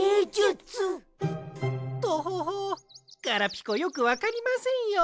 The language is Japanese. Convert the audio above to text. トホホガラピコよくわかりませんよ。